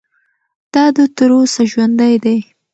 دا دود تر اوسه ژوندی دی.